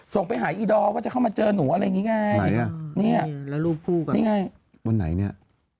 ส่งไปหาไอ้ดอลก็เขามาเจอหนูอะไรเงี้ยนี่ก็ไหนเนี่ย